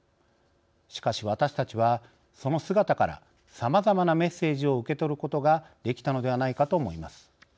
しかし、私たちはその姿からさまざまなメッセージを受け取ることができたのではないかと思います。